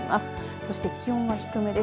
そして気温は低めです。